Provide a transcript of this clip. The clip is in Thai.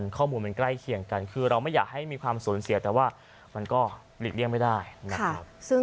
ข้อมูลมันใกล้เคียงกันคือเราไม่อยากให้มีความสูญเสียแต่ว่ามันก็หลีกเลี่ยงไม่ได้นะครับ